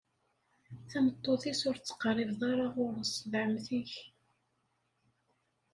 Tameṭṭut-is, ur tettqerribeḍ ara ɣur-s: D ɛemmti-k.